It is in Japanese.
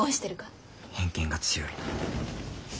偏見が強いな。